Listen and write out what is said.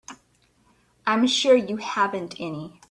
I'm sure you haven't any.